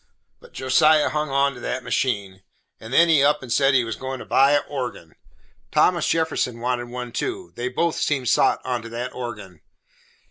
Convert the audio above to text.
But Josiah hung onto that machine. And then he up and said he was goin' to buy a organ. Thomas Jefferson wanted one too. They both seemed sot onto that organ.